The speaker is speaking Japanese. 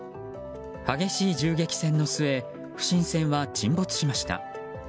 激しい銃撃戦の末不審船は沈没しました。